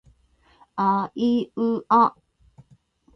あいうあ